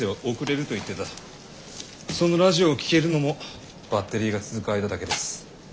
そのラジオを聞けるのもバッテリーが続く間だけです。